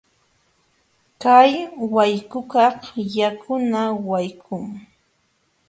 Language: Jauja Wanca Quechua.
Kay wayqukaq yakuna wayqum.